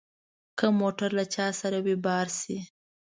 که موټر له چا سره وي بار شي.